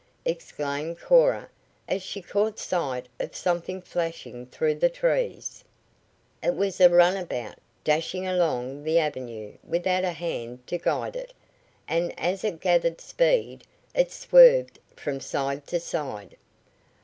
exclaimed Cora as she caught sight of something flashing through the trees. It was a runabout, dashing along the avenue without a hand to guide it, and as it gathered speed it swerved from side to side.